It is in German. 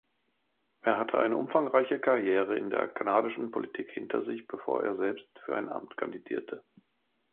Er hatte eine umfangreiche Karriere in der kanadischen Politik hinter sich, bevor er selbst für ein Amt kandidierte.